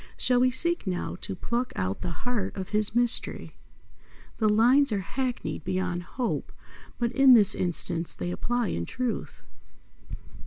Shall we seek now to pluck out the heart of his mystery? The lines are hackneyed beyond hope, but in this instance they apply in truth.